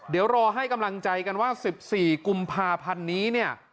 เดี๋ยวรอให้กำลังใจกันว่า๑๔กุมภาพันธ์นี้เนี่ย